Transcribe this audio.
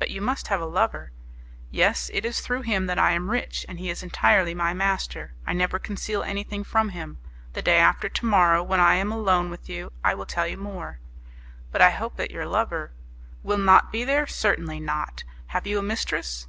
"But you must have a lover?" "Yes; it is through him that I am rich, and he is entirely my master. I never conceal anything from him. The day after to morrow, when I am alone with you, I will tell you more." "But I hope that your lover...." "Will not be there? Certainly not. Have you a mistress?"